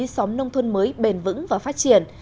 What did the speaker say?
xóm nông thôn mới bền vững và phát triển